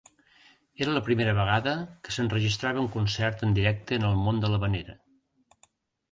Era la primera vegada que s'enregistrava un concert en directe en el món de l'havanera.